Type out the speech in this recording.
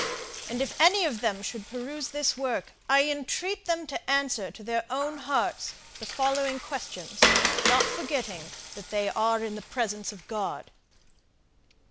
And if any of them should peruse this work, I entreat them to answer to their own hearts the following questions, not forgetting that they are in the presence of God.